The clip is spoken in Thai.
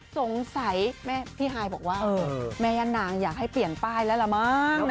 สงสัยพี่ฮายบอกว่าแม่ย่านางอยากให้เปลี่ยนป้ายแล้วล่ะมั้ง